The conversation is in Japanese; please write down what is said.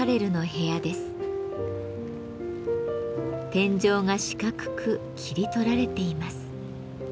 天井が四角く切り取られています。